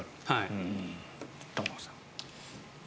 玉川さん。